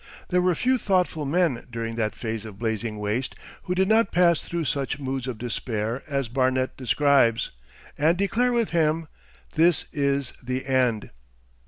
There were few thoughtful men during that phase of blazing waste who did not pass through such moods of despair as Barnet describes, and declare with him: 'This is the end....